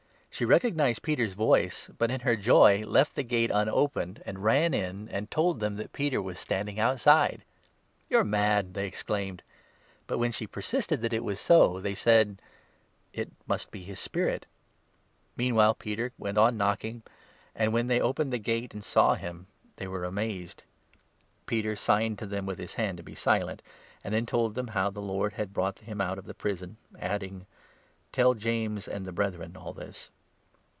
She recognized 14 Peter's voice, but in her joy left the gate unopened, and ran in, and told them that Peter was standing outside. " You are mad !" they exclaimed. 15 But, when she persisted that it was so, they said :" It must be his spirit !" Meanwhile Peter went on knocking, and, when they opened 16 the gate and saw him, they were amazed. Peter signed to 17 them with his hand to be silent, and then told them how the Lord had brought him out of the prison, adding : "Tell James and the Brethren all this."